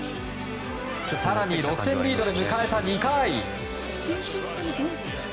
更に、６点リードで迎えた２回。